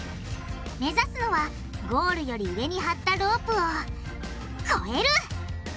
目指すのはゴールより上に張ったロープを越える！